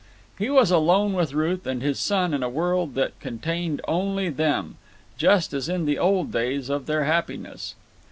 He was alone with Ruth and his son in a world that contained only them, just as in the old days of their happiness.